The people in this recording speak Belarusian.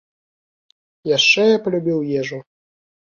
Яшчэ я палюбіў ежу.